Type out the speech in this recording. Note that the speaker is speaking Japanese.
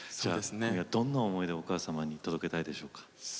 今夜どんな思いでお母様に届けたいでしょうか。